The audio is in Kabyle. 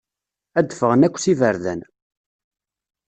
Ad d-ffɣen akk s iberdan.